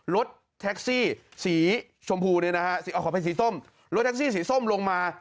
รถแท็กซี่สีส้มลงมา